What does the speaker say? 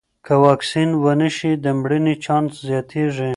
که واکسین ونه شي، د مړینې چانس زیاتېږي.